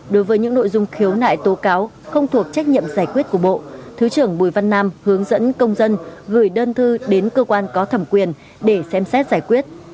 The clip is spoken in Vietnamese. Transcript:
đối với những nội dung khiếu nại tố cáo không thuộc trách nhiệm giải quyết của bộ thứ trưởng bùi văn nam hướng dẫn công dân gửi đơn thư đến cơ quan có thẩm quyền để xem xét giải quyết